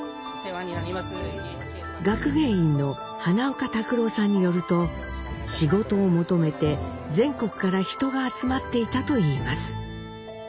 学芸員の花岡拓郎さんによると仕事を求めて全国から人が集まっていたといいます。